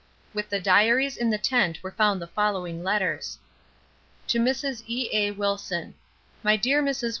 With the diaries in the tent were found the following letters: TO MRS. E. A. WILSON MY DEAR MRS.